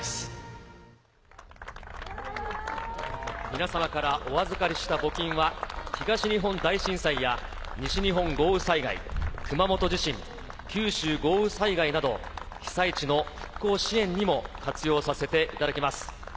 皆様からお預かりした募金は、東日本大震災や西日本豪雨災害、熊本地震、九州豪雨災害など、被災地の復興支援にも活用させていただきます。